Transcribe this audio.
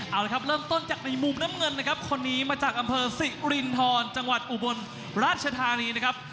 เอาละครับเริ่มต้นจากในมุมน้ำเงินนะครับคนนี้มาจากอำเภอสิรินทรจังหวัดอุบลราชธานีนะครับ